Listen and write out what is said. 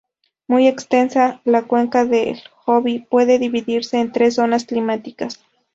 Muy extensa, la cuenca del Obi puede dividirse en tres zonas climáticas.